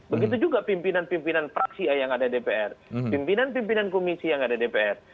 begitu juga pimpinan pimpinan praksi yang ada dpr pimpinan pimpinan komisi yang ada dpr